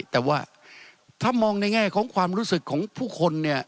แต่ว่าถ้ามองในแง่ของความรู้สึกของผู้คนเนี่ย